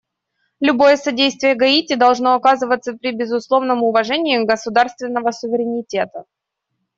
Любое содействие Гаити должно оказываться при безусловном уважении государственного суверенитета.